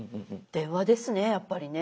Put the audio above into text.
電話ですねやっぱりね。